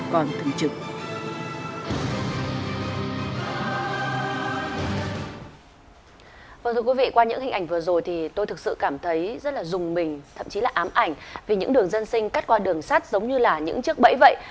cảm thấy rất là rùng mình thậm chí là ám ảnh vì những đường dân sinh cắt qua đường sát giống như là những chiếc bẫy vậy